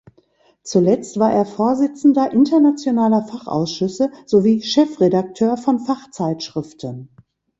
Zuletzt war er Vorsitzender internationaler Fachausschüsse sowie Chefredakteur von Fachzeitschriften.